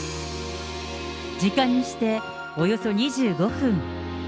時間にしておよそ２５分。